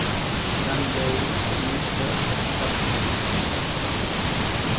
During his time at Sherborne, he also played some games for Dorset.